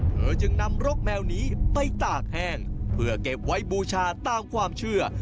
เธอจึงนำรกแมวนี้ไปตากแห้งเพื่อเก็บไว้บูชาตามความเชื่อ